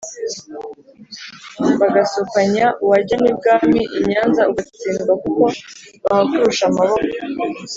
bagasopanya wajya n' i bwami i nyanza ugatsindwa kuko bahakurusha amaboko.